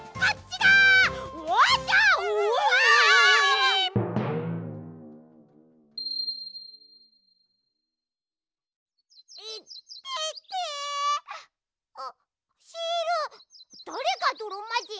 だれがどろまじん？